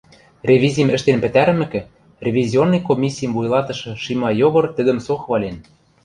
Ревизим ӹштен пӹтӓрӹмӹкӹ, ревизионный комиссим вуйлатышы Шимай Йогор тӹдӹм со хвален: